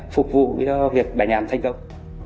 phục vụ cho việc đánh án thành công